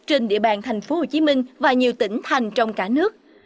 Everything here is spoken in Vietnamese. trên địa bàn thành phố hồ chí minh và nhiều tỉnh thành trong cả nước